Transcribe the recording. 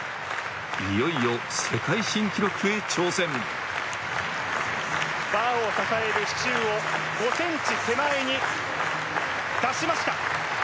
いよいよ世界新記録へ挑戦バーを支える支柱を５ｃｍ手前に出しました